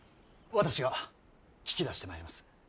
私が聞き出してまいります。